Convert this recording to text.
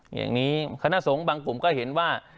อย่างนี้คณะสงฆ์บางกลุ่มก็เห็นว่า